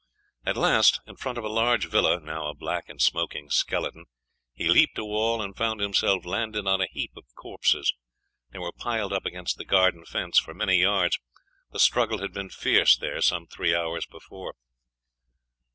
At last, in front of a large villa, now a black and smoking skeleton, he leaped a wall, and found himself landed on a heap of corpses.... They were piled up against the garden fence for many yards. The struggle had been fierce there some three hours before.